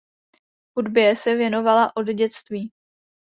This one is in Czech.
Hudbě se věnovala od dětství.